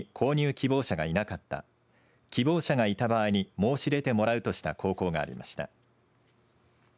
希望者がいた場合に申し出てもらうとした高校がありました。